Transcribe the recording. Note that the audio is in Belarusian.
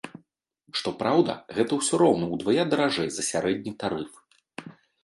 Што праўда, гэта ўсё роўна ўдвая даражэй за сярэдні тарыф.